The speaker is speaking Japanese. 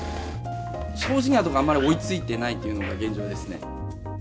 正直なところ、あんまり追いついていないというのが現状ですね。